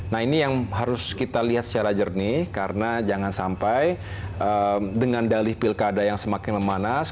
nah ini yang harus kita lihat secara jernih karena jangan sampai dengan dalih pilkada yang semakin memanas